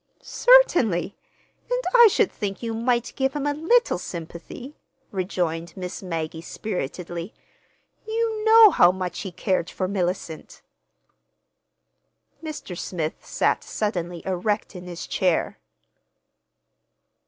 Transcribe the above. "Certainly; and I should think you might give him a little sympathy," rejoined Miss Maggie spiritedly. "You know how much he cared for Mellicent." Mr. Smith sat suddenly erect in his chair.